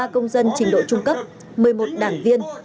một mươi ba công dân trình độ trung cấp một mươi một đảng viên